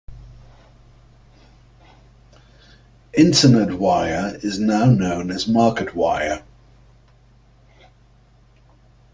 Internet Wire is now known as Marketwire.